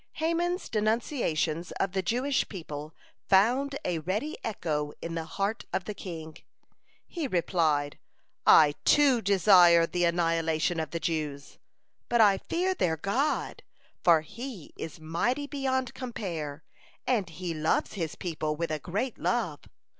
Haman's denunciations of the Jewish people found a ready echo in the heart of the king. He replied: "I, too, desire the annihilation of the Jews, but I fear their God, for He is mighty beyond compare, and He loves His people with a great love.